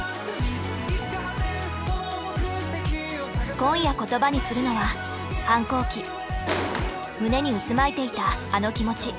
今夜言葉にするのは胸に渦巻いていたあの気持ち。